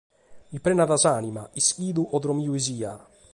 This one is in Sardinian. Mi prenet s’ànima ischidu o dormidu chi sia!